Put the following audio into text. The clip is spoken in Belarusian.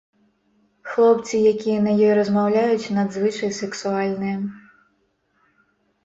Хлопцы, якія на ёй размаўляюць, надзвычай сексуальныя.